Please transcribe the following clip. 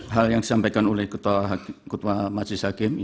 hal yang disampaikan oleh ketua majelis hakim